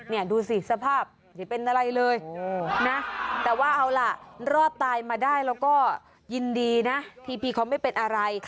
นี่ดูสิสภาพอย่าเป็นอะไรเลยนะแต่ว่าเอาล่ะรอดตายมาได้แล้วก็ยินดีนะที่พี่เขาไม่เป็นอะไร